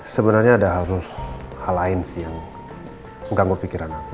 sebenarnya ada hal lain sih yang mengganggu pikiran aku